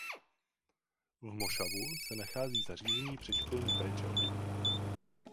V mošavu se nachází zařízení předškolní péče o děti.